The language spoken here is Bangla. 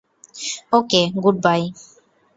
Okay good by.